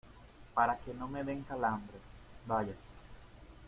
para que no me den calambres. vaya .